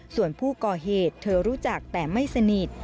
ส่วนผู้ก่อเหตุเธอรู้จักแต่ไม่สนิท